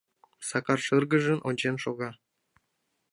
Сакар шыргыжын ончен шога.